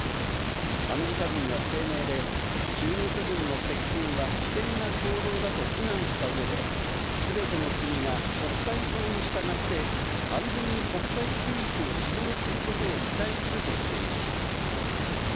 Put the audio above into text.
アメリカ軍は声明で、中国軍の接近は危険な行動だと非難したうえで、すべての国が国際法に従って、安全に国際空域を使用することを期待するとしています。